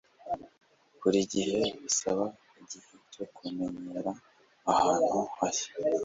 Buri gihe bisaba igihe cyo kumenyera ahantu hashya.